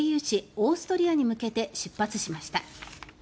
オーストリアに向けて出発しました。